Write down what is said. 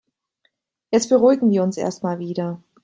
Jetzt beruhigen wir uns erstmal wieder.